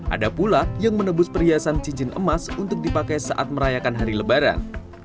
ada pula yang menebus perhiasan cincin emas untuk dipakai saat merayakan hari lebaran